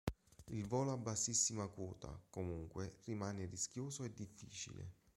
Il volo a bassissima quota, comunque, rimane rischioso e difficile.